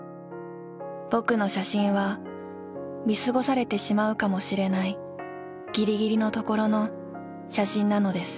ぼくの写真は見過ごされてしまうかもしれないぎりぎりのところの写真なのです。